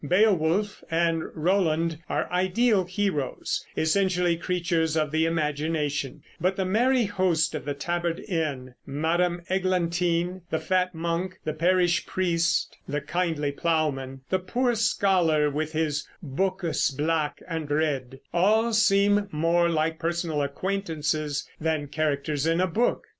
Beowulf and Roland are ideal heroes, essentially creatures of the imagination; but the merry host of the Tabard Inn, Madame Eglantyne, the fat monk, the parish priest, the kindly plowman, the poor scholar with his "bookës black and red," all seem more like personal acquaintances than characters in a book.